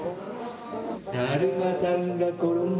だるまさんが転んだ！